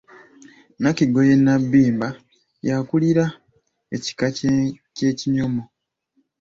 Nakigoye Nabimba y'akulira ekika ky'Ekinyomo.